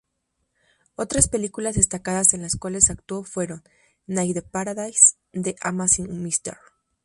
Otras películas destacadas en las cuales actuó fueron "Night in Paradise", "The Amazing Mr.